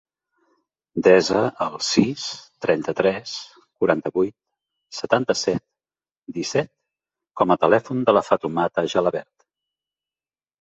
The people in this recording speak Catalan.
Desa el sis, trenta-tres, quaranta-vuit, setanta-set, disset com a telèfon de la Fatoumata Gelabert.